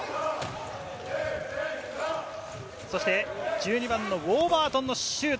１２番のウォーバートンのシュート。